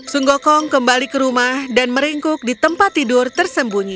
sung gokong kembali ke rumah dan meringkuk di tempat tidur tersembunyi